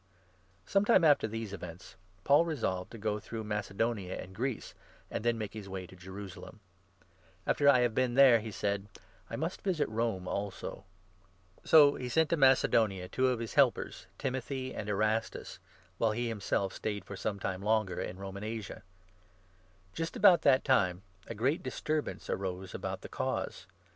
Sometime after these events Paul resolved to 21 ^o'viait"1* S° through Macedonia and Greece, and then Jerusalem make his way to Jerusalem. "And after I have and Rome. \^en there," he said, " I must visit Rome also." So he sent to Macedonia two of his helpers, Timothy and Erastus, 22 while he himself stayed for some time longer in Roman Asia. The RI t Just about that time a great disturbance arose 23 at about the Cause.